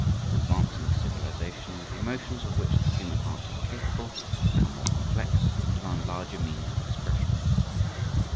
With advancing civilization the emotions of which the human heart are capable become more complex and demand larger means of expression.